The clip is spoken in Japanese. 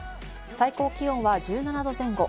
最高気温は１７度前後。